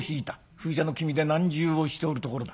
風邪の気味で難渋をしておるところだ。